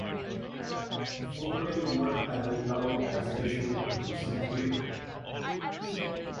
He formerly worked at the Naval Air Station Patuxent River.